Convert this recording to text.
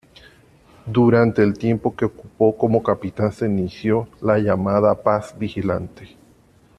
Durante el tiempo que ocupó como capitán, se inició la llamada Paz Vigilante.